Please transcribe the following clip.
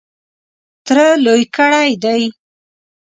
تره لوی کړی دی .